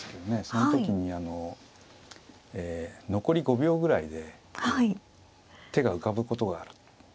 その時にあのえ残り５秒ぐらいで手が浮かぶことがある。